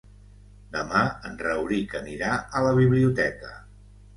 Demà en Rauric anirà a la biblioteca.